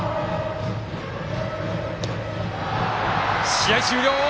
試合終了！